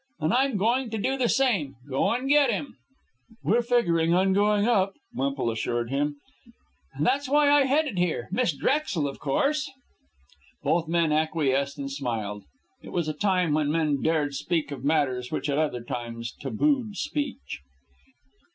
And I'm going to do the same go and get him." "We're figuring on going up," Wemple assured him. "And that's why I headed here Miss Drexel, of course?" Both men acquiesced and smiled. It was a time when men dared speak of matters which at other times tabooed speech.